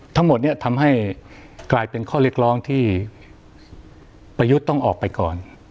ทั้งหมดเนี่ยทำให้กลายเป็นข้อเรียกร้องที่ประยุทธ์ต้องออกไปก่อน